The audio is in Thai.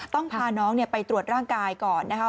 ต้องพาน้องไปตรวจร่างกายก่อนนะคะ